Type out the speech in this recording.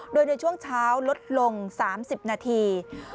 โดยในช่วงเช้าลดลง๓๐นาที